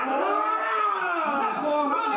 โอ้โห